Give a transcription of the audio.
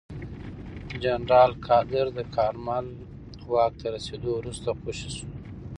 جنرال قادر د کارمل واک ته رسېدو وروسته خوشې شو.